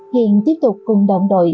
hiền tiếp tục cùng đồng đội